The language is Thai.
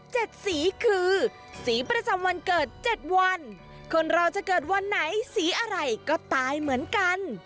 สีคือสีประจำวันเกิดเจ็ดวันคนเราจะเกิดวันไหนสีอะไรก็ตายเหมือนกัน